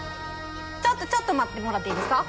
ちょっとちょっと待ってもらっていいですか？